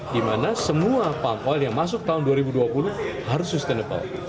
di mana semua pal yang masuk tahun dua ribu dua puluh harus sustainable